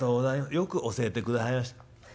よく教えてくださいました』。